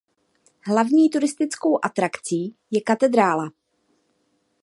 Hlavní turistickou atrakcí je katedrála.